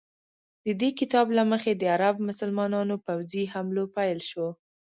د دې کتاب له مخې د عرب مسلمانانو پوځي حملو پیل شو.